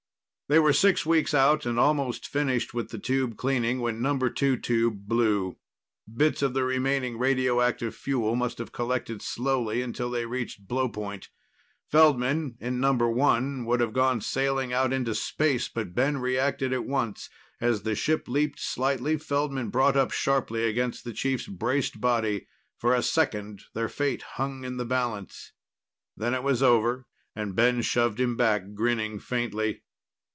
They were six weeks out and almost finished with the tube cleaning when Number Two tube blew. Bits of the remaining radioactive fuel must have collected slowly until they reached blow point. Feldman in Number One would have gone sailing out into space, but Ben reacted at once. As the ship leaped slightly, Feldman brought up sharply against the chief's braced body. For a second their fate hung in the balance. Then it was over, and Ben shoved him back, grinning faintly.